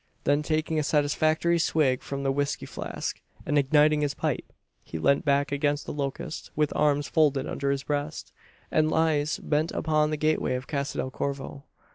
Then taking a satisfactory swig from the whiskey flask, and igniting his pipe, he leant back against the locust with arms folded over his breast, and eyes bent upon the gateway of Casa del Corvo.